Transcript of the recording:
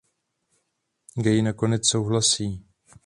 Gay nakonec souhlasí.